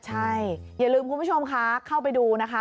ใช่อย่าลืมคุณผู้ชมคะเข้าไปดูนะคะ